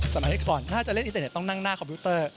สมัยก่อนถ้าจะเล่นอินเต็ต้องนั่งหน้าคอมพิวเตอร์